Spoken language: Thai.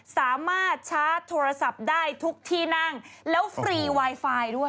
สามารถชาร์จโทรศัพท์ได้ทุกที่นั่งแล้วฟรีไวไฟด้วย